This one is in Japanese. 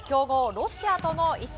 ロシアとの一戦。